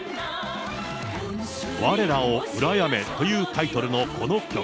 我らを羨めというタイトルのこの曲。